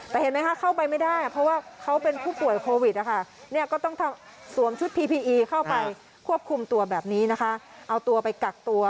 แต่เห็นไหมคะเข้าไปไม่ได้เพราะว่าเขาเป็นผู้ป่วยโควิดนะคะ